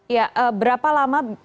ya berapa lama